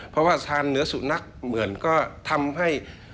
เพราะว่าทานเนื้อสุนัขเหมือนก็ทำให้